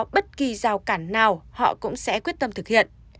bất kỳ rào cản nào họ cũng sẽ quyết tâm thực hiện